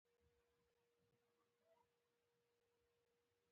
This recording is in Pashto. په لاره کې چم وکړ.